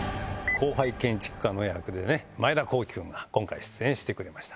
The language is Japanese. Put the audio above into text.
後輩建築家の役で前田公輝君が今回出演してくれました。